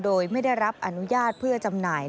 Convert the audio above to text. โดยไม่ได้รับอนุญาตเพื่อจำหน่าย